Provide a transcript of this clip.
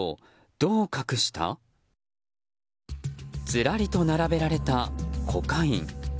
ずらりと並べられたコカイン。